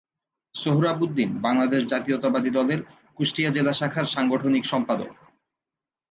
সোহরাব উদ্দিন বাংলাদেশ জাতীয়তাবাদী দলের কুষ্টিয়া জেলা শাখার সাংগঠনিক সম্পাদক।